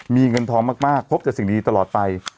มีเงินทองมากพบแต่สิ่งดีตลอดไป